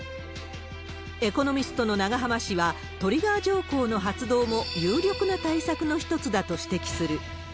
エコノミストの永濱氏は、トリガー条項の発動も有力な対策の一つだと指摘する。